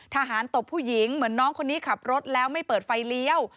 ตบผู้หญิงเหมือนน้องคนนี้ขับรถแล้วไม่เปิดไฟเลี้ยว